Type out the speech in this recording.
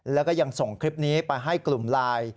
แล้วก็ยังส่งคลิปนี้ไปให้กลุ่มไลน์